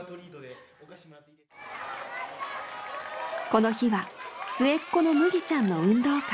この日は末っ子のむぎちゃんの運動会。